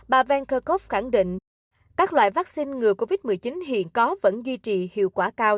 bà venkerkov khẳng định các loại vaccine ngừa covid một mươi chín hiện có vẫn duy trì hiệu quả cao